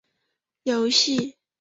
游戏